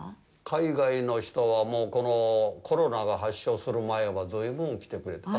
海外の人はこのコロナが発症する前は随分来てくれた。